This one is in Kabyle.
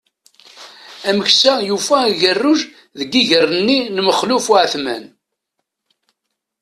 Ameksa yufa agerruj deg iger-nni n Maxluf Uεetman.